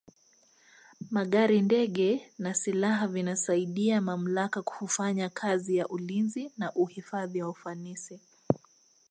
magari ndege na silaha vinasaidia mamlaka kufanya kazi ya ulinzi na uhifadhi kwa ufanisi